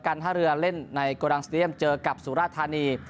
กันห้าเรือเล่นในโกดังสติเรียมเจอกับสุราษฎร์ธานี